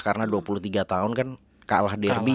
karena dua puluh tiga tahun kan kalah derby